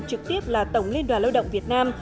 trực tiếp là tổng liên đoàn lao động việt nam